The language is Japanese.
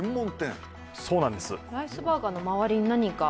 ライスバーガーの周りに何か？